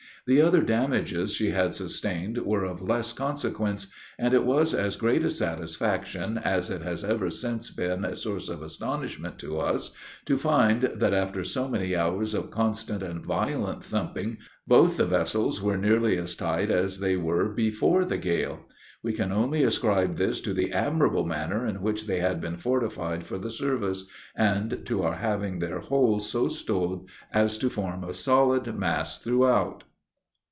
The other damages she had sustained were of less consequence; and it was as great a satisfaction as it has ever since been a source of astonishment to us to find that, after so many hours of constant and violent thumping, both the vessels were nearly as tight as they were before the gale. We can only ascribe this to the admirable manner in which they had been fortified for the service, and to our having their holds so stowed as to form a solid mass throughout.